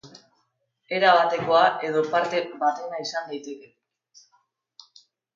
Erabatekoa edo parte batena izan daiteke.